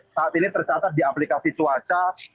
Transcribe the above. saat ini tercatat di aplikasi cuaca